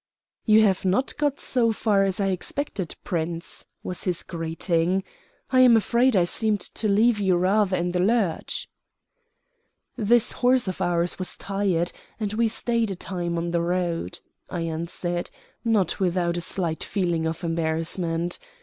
"You have not got so far as I expected, Prince," was his greeting. "I'm afraid I seemed to leave you rather in the lurch." "This horse of ours was tired, and we stayed a time on the road," I answered, not without a slight feeling of embarrassment.